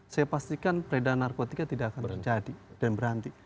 saya pastikan peredaran narkotika tidak akan terjadi dan berhenti